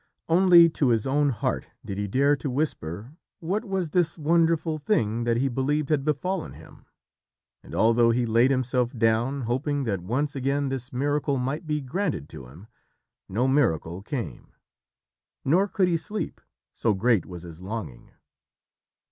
Only to his own heart did he dare to whisper what was this wonderful thing that he believed had befallen him, and although he laid himself down, hoping that once again this miracle might be granted to him, no miracle came; nor could he sleep, so great was his longing.